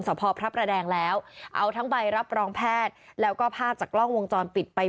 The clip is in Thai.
สอบพอพระประแดงแล้วเอาทั้งใบรับรองแพทย์แล้วก็ภาพจากกล้องวงจรปิดไป